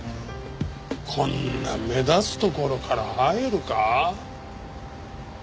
こんな目立つ所から入るか？